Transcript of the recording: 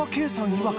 いわく